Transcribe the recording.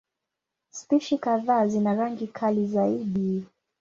Spishi kadhaa zina rangi kali zaidi.